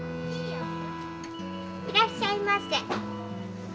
いらっしゃいませ。